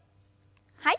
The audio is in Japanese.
はい。